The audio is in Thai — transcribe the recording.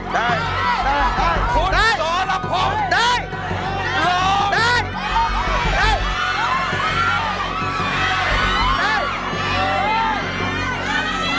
ได้